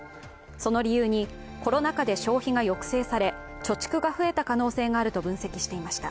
その理由に、コロナ禍で消費が抑制され貯蓄が増えた可能性があると分析していました。